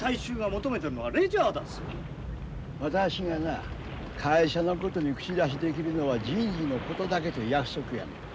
私がな会社のことに口出しできるのは人事のことだけという約束やねん。